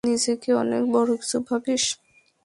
নিজেকে অনেক বড় কিছু ভাবিস?